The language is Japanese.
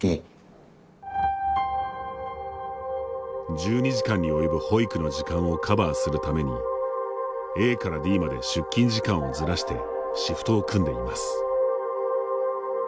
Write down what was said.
１２時間に及ぶ保育の時間をカバーするためにＡからＤまで出勤時間をずらしてシフトを組んでいます。